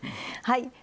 はい。